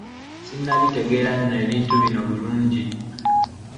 Sinabitegera no ebntu bino bulingi.